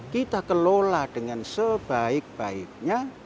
kita kelola dengan sebaik baiknya